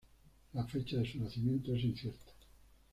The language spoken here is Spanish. La fecha de su nacimiento es incierta.